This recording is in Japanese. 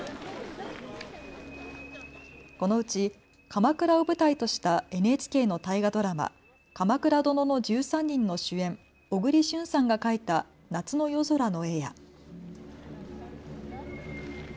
このうち鎌倉を舞台としたＮＨＫの大河ドラマ、鎌倉殿の１３人の主演、小栗旬さんが描いた夏の夜空の絵や。